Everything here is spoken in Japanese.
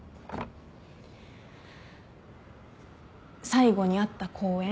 最後に会った公園